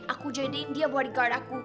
aku join diin dia bodyguard aku